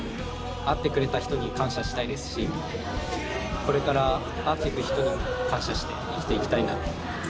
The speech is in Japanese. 会ってくれた人に感謝したいですしこれから会ってく人にも感謝して生きていきたいなって思います。